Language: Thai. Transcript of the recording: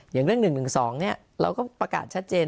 อย่างเรื่อง๑๑๒เราก็ประกาศชัดเจน